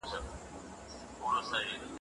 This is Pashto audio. په ځينو هيوادونو کې طلاق ډېر دی.